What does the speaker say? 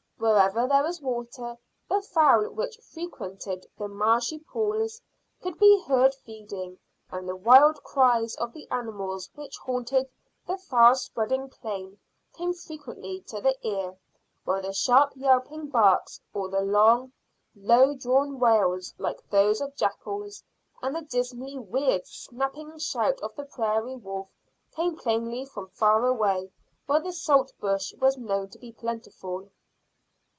Wherever there was water the fowl which frequented the marshy pools could be heard feeding, and the wild cries of the animals which haunted the far spreading plain came frequently to the ear, while the sharp yelping barks, or the long, low drawn wails like those of jackals and the dismally weird snapping shout of the prairie wolf came plainly from far away where the salt bush was known to be plentiful.